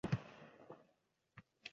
Va oyligini olaveradi.